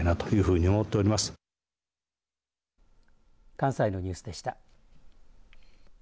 関西のニュースでした。